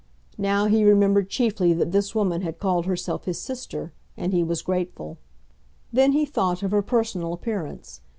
Now he remembered chiefly that this woman had called herself his sister, and he was grateful. Then he thought of her personal appearance.